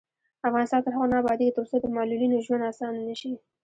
افغانستان تر هغو نه ابادیږي، ترڅو د معلولینو ژوند اسانه نشي.